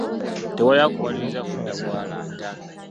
Tewali akuwaliriza kuddamu mangu.